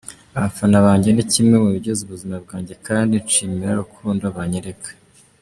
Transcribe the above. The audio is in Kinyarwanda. Abafana banjye ni kimwe mu bigize ubuzima bwanjye kandi nshimira urukundo banyereka.